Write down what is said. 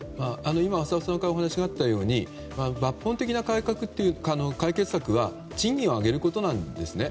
今、浅尾さんからお話があったように抜本的な改革という解決策は賃金を上げることなんですね。